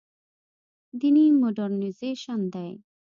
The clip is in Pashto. دیني مډرنیزېشن دی.